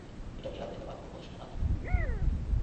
এটা বিড়ালদের ব্যাপার ওর কথা শুনো না, তোমরা একটা মহান কাজ করছো।